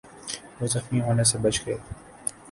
وہ زخمی ہونے سے بچ گئے